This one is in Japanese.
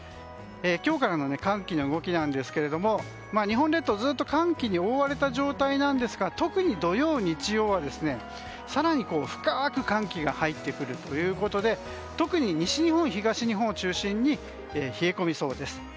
今日からの寒気の動きなんですけれども日本列島はずっと寒気に覆われた状態ですが特に土曜、日曜は更に深く寒気が入ってくるということで特に西日本、東日本を中心に冷え込みそうです。